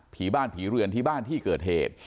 ผีบ้านผีเรือนที่บ้านที่เกิดเหตุ